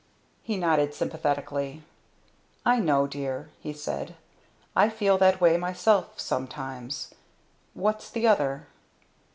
He nodded sympathetically. "I know, dear," he said. "I feel that way myself sometimes. What's the other?"